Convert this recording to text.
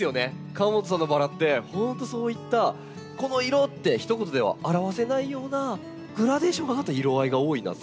河本さんのバラって本当そういったこの色って一言では表せないようなグラデーションが入った色合いが多いなと。